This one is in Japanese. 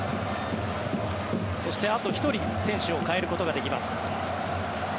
そして、あと１人選手を代えることができます。